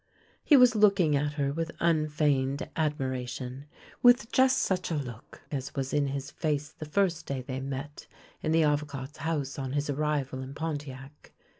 He was looking at her with unfeigned admiration — with just such a look as was in his face the first day they met in the Avocat's house on his arrival in Pon tiac.